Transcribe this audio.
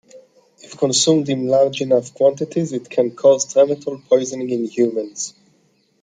If consumed in large enough quantities, it can cause tremetol poisoning in humans.